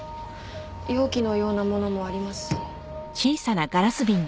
容器のようなものもありますし。